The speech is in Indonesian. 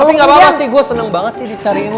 tapi gak apa apa sih gue seneng banget sih dicari ini